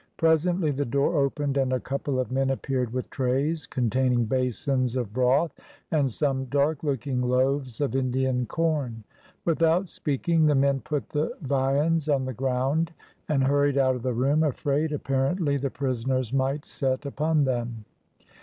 Presently the door opened, and a couple of men appeared with trays containing basins of broth, and some dark looking loaves of Indian corn. Without speaking the men put the viands on the ground and hurried out of the room, afraid, apparently, the prisoners might set upon them.